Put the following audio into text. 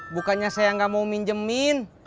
bukannya saya nggak mau minjemin